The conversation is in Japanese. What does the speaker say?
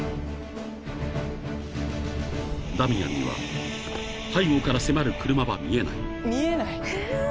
［ダミアンには背後から迫る車は見えない］